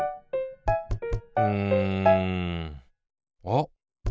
うんあっ！